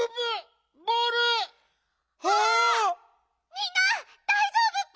みんなだいじょうぶッピ？